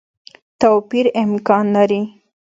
توپیر امکان لري.